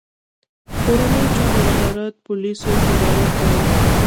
کورنیو چارو وزارت پولیس اداره کوي